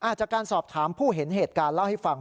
จากการสอบถามผู้เห็นเหตุการณ์เล่าให้ฟัง